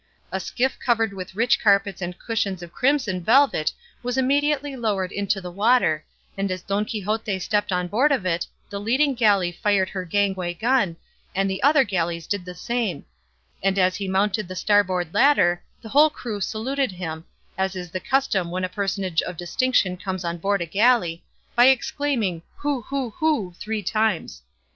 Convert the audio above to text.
A skiff covered with rich carpets and cushions of crimson velvet was immediately lowered into the water, and as Don Quixote stepped on board of it, the leading galley fired her gangway gun, and the other galleys did the same; and as he mounted the starboard ladder the whole crew saluted him (as is the custom when a personage of distinction comes on board a galley) by exclaiming "Hu, hu, hu," three times.